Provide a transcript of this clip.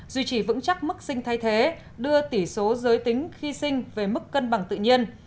duy trì vững chắc mức sinh thay thế đưa tỷ số giới tính khi sinh về mức cân bằng tự nhiên